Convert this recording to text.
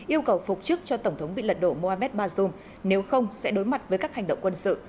yêu cầu phục chức cho tổng thống bị lật đổ mohamed bazoum nếu không sẽ đối mặt với các hành động quân sự